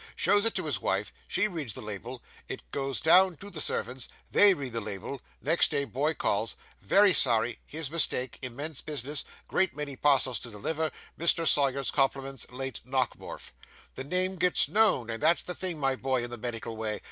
Shows it to his wife she reads the label; it goes down to the servants they read the label. Next day, boy calls: "Very sorry his mistake immense business great many parcels to deliver Mr. Sawyer's compliments late Nockemorf." The name gets known, and that's the thing, my boy, in the medical way.